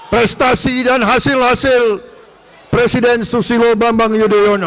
prestasi dan hasil hasil presiden susilo bambang yudhoyono